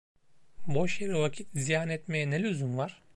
Boş yere vakit ziyan etmeye ne lüzum var?